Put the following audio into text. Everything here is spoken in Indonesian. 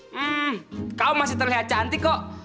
hmm kau masih terlihat cantik kok